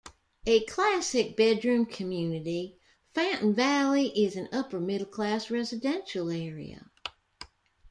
A classic bedroom community, Fountain Valley is an upper middle-class residential area.